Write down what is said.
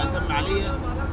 dan berterima kasih